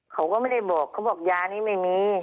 เขาก็ไม่ได้บอกเขาบอกยานี้ไม่มี